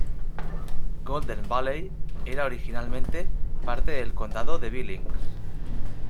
Golden Valley era originalmente parte del condado de Billings.